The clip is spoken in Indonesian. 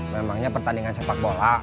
memangnya pertandingan sepak bola